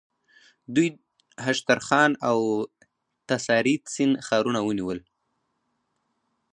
دوی هشترخان او تساریتسین ښارونه ونیول.